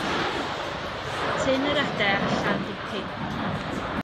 Tyn yr ede allan dipyn.